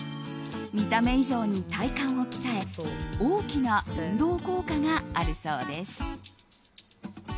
見た目以上に体幹を鍛え大きな運動効果があるそうです。